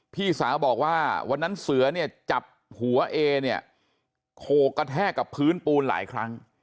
พี่สาวบอกว่าวันนั้นเสือเนี่ยจับหัวเอเนี่ยโขกกระแทกกับพื้นปูนหลายครั้ง